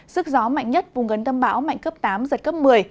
sức gió mạnh nhất vùng gần tâm bão mạnh cấp tám giật cấp một mươi